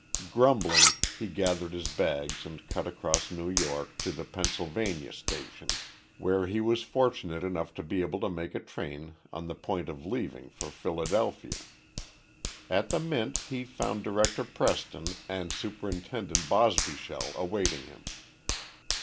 Grumbling, he gathered his bags and cut across New York to the Pennsylvania Station, where he was fortunate enough to be able to make a train on the point of leaving for Philadelphia. At the Mint he found Director Preston and Superintendent Bosbyshell awaiting him.